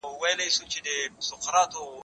کېدای سي جواب ستونزي ولري!!